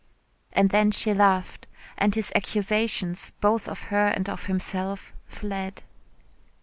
And then she laughed, and his accusations, both of her and of himself, fled.